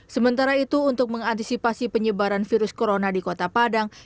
sementara itu untuk mengantisipasi penyebaran virus corona di kota padang